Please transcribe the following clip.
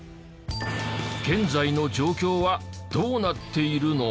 現在の状況はどうなっているの？